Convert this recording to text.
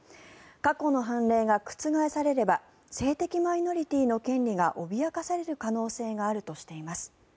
過去の判例が覆されれば性的マイノリティーの権利が脅かされる可能性があるとしています。